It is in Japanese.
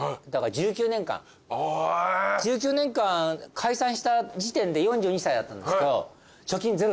解散した時点で４２歳だったんですけど。え！？